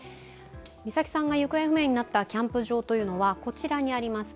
美咲さんが行方不明になったキャンプ場はこちらにあります。